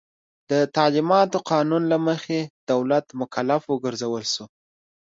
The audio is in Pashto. د تعلیماتو قانون له مخې دولت مکلف وګرځول شو.